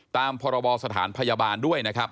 ตามพบสถานพยาบาลด้วย